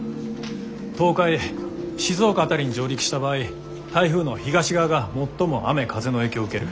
東海静岡辺りに上陸した場合台風の東側が最も雨風の影響を受ける。